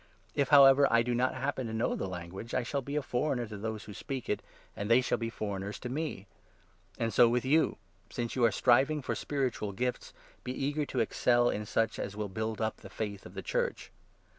If, however, I do not hap n pen to know the language, I shall be a foreigner to those who speak it, and they will be foreigners to me. And so 12 with you ; since you are striving for spiritual gifts, be eager to excel in such as will build up the faith of the Church.